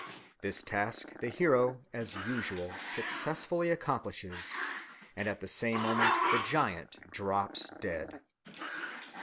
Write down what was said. This task the hero, as usual, successfully accomplishes, and at the same moment the giant drops dead.